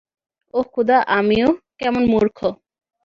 ওহ খোদা, আমিও কেমন মূর্খ।